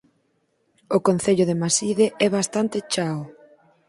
O concello de Maside é bastante chao.